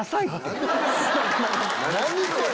何これ。